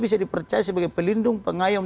bisa dipercaya sebagai pelindung pengayom